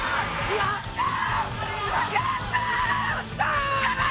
やったー！